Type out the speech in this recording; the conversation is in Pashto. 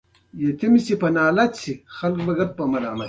په څلورمه برخه کې موږ یو راپور وړاندې کوو.